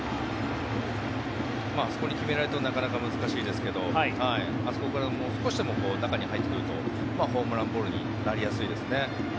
あそこに決められるとなかなか難しいですけどあそこから少しでも中に入ってくるとホームランボールになりやすいですね。